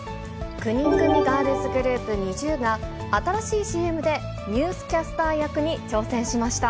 ９人組ガールズグループ、ＮｉｚｉＵが新しいＣＭでニュースキャスター役に挑戦しました。